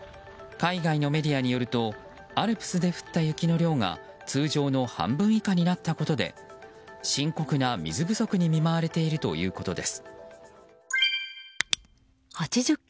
海外のメディアによるとアルプスで降った雪の量が通常の半分以下になったことで深刻な水不足に見舞われているということです。